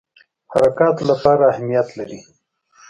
حرکاتو لپاره اهمیت لري.